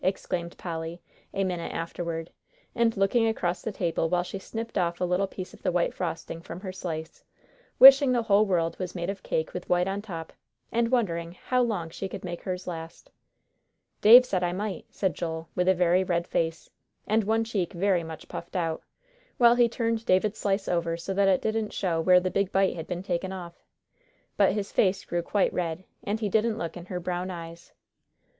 exclaimed Polly, a minute afterward, and looking across the table while she snipped off a little piece of the white frosting from her slice, wishing the whole world was made of cake with white on top, and wondering how long she could make hers last. "Dave said I might," said Joel, with a very red face, and one cheek very much puffed out, while he turned David's slice over so that it didn't show where the big bite had been taken off. But his face grew quite red, and he didn't look in her brown eyes.